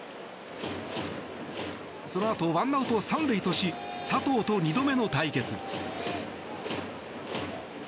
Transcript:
そのあと、ワンアウト３塁とし佐藤と２度目の対決。